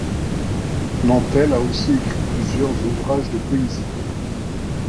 Nantel a aussi écrit plusieurs ouvrages de poésie.